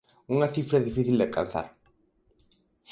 Unha cifra difícil de alcanzar.